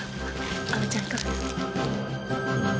あめちゃんいかがですか？